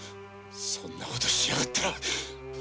そんな事をしやがったら。